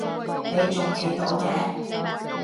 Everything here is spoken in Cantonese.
你仲企到嘅？